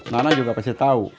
nana juga pasti tau